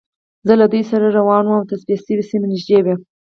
زه له دوی سره روان وم او تصفیه شوې سیمه نږدې وه